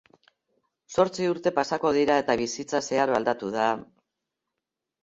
Zortzi urte pasako dira eta bizitza zeharo aldatu da...